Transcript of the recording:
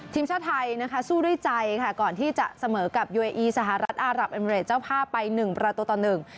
ทีมชาติไทยนะคะสู้ด้วยใจค่ะก่อนที่จะเสมอกับยูเออีสหรัฐอารับเอเมริดเจ้าภาพไปหนึ่งประตูต่อหนึ่ง